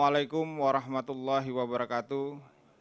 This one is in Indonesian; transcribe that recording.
waalaikum salam warahmatullahi wabarakatuh